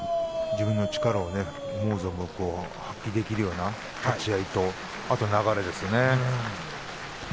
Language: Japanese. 自分の力を思う存分発揮できるような立ち合いの流れですよね。